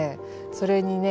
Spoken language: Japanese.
それにね